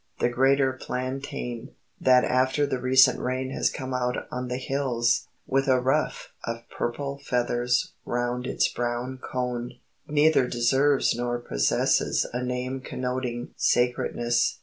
The greater plantain, that after the recent rain has come out on the hills, with a ruff of purple feathers round its brown cone, neither deserves nor possesses a name connoting sacredness.